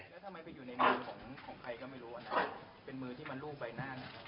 ทำไมไปอยู่ในกำลังของใครก็ไม่รู้ว่าเป็นมือที่มัน